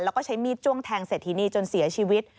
แล้วก็ใช้มีดจ้วงแทงเศรษฐินีจนเสียชีวิต